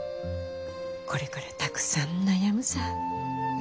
これからたくさん悩むさ。